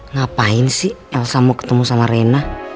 ngapain sih elsa mau ketemu sama rena